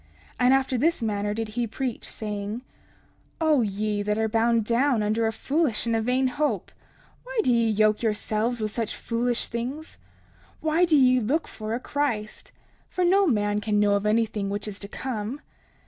And after this manner did he preach, saying: 30:13 O ye that are bound down under a foolish and a vain hope, why do ye yoke yourselves with such foolish things? Why do ye look for a Christ? For no man can know of anything which is to come.